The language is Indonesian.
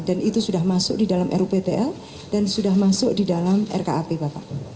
dan itu sudah masuk di dalam ruptl dan sudah masuk di dalam rkap bapak